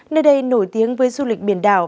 nơi đây nổi tiếng với du lịch biển đảo